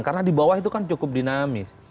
karena di bawah itu kan cukup dinasih